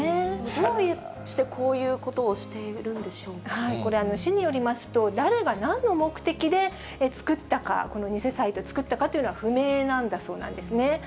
どうしてこういうことをしてこれ、市によりますと、誰がなんの目的で作ったか、この偽サイト、作ったかというのは不明なんだそうなんですね。